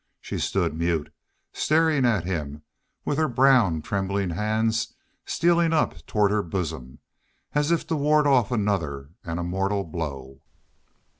She stood mute, staring at him, with her brown, trembling hands stealing up toward her bosom, as if to ward off another and a mortal blow.